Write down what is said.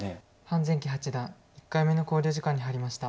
潘善八段１回目の考慮時間に入りました。